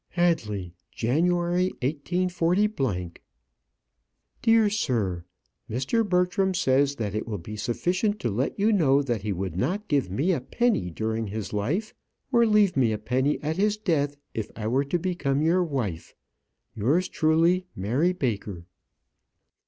Hadley, January , 184 . Dear Sir, Mr. Bertram says that it will be sufficient to let you know that he would not give me a penny during his life, or leave me a penny at his death if I were to become your wife. Yours truly, MARY BAKER.